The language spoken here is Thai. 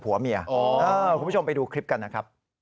พี่ทำรถหนูพัง